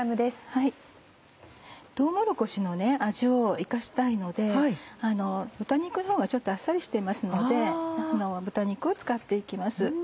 とうもろこしの味を生かしたいので豚肉のほうがちょっとあっさりしてますので豚肉を使って行きます。